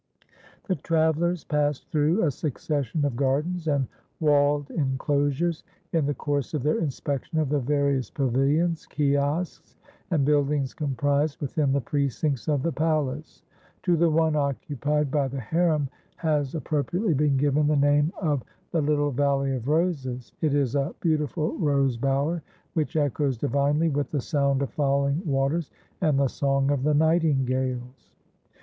The travellers passed through a succession of gardens and walled enclosures, in the course of their inspection of the various pavilions, kiosks, and buildings comprised within the precincts of the palace. To the one occupied by the harem has appropriately been given the name of "The Little Valley of Roses." It is a beautiful rose bower, which echoes divinely with the sound of falling waters and the song of the nightingales.